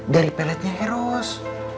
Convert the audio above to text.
dari peletnya eros